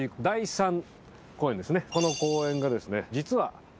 この公園がですね実は。